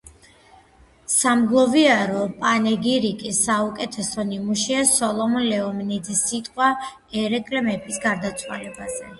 სამგლოვიარო პანეგირიკის საუკეთესო ნიმუშია სოლომონ ლიონიძის სიტყვა ერეკლე მეფის გარდაცვალებაზე.